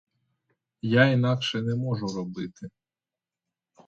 Я інакше не можу робити.